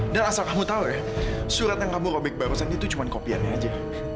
asal kamu tahu ya surat yang kamu robek barusan itu cuma kopiannya aja